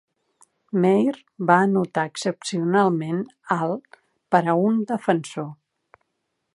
Meir va anotar excepcionalment alt per a un defensor.